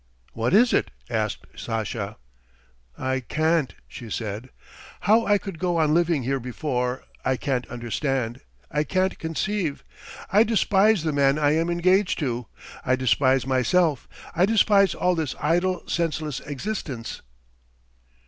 "What is it?" asked Sasha. "I can't ..." she said. "How I could go on living here before, I can't understand, I can't conceive! I despise the man I am engaged to, I despise myself, I despise all this idle, senseless existence."